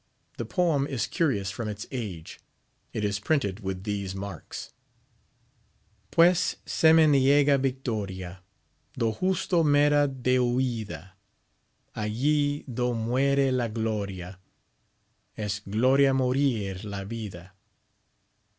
The poem is curious from its age ; it is printed with these marks :^,_ Pues seme niega victoria dojusto mera deuida alii do muere la gloria (:•:) es gloria morir la vida.